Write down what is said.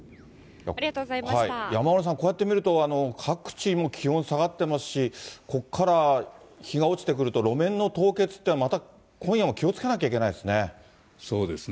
山村さん、こうやって見ると、各地、もう気温下がってますし、ここから日が落ちてくると、路面の凍結って、また今夜も気をつけなきゃいけないですね。